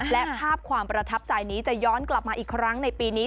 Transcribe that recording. และภาพความประทับใจนี้จะย้อนกลับมาอีกครั้งในปีนี้